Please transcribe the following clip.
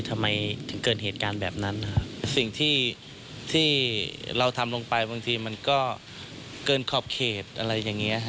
ทำไมถึงเกิดเหตุการณ์แบบนั้นนะครับสิ่งที่ที่เราทำลงไปบางทีมันก็เกินขอบเขตอะไรอย่างเงี้ฮะ